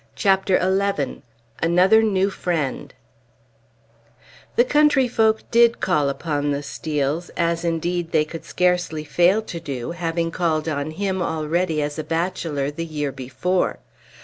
CHAPTER XI ANOTHER NEW FRIEND The country folk did call upon the Steels, as indeed, they could scarcely fail to do, having called on him already as a bachelor the year before.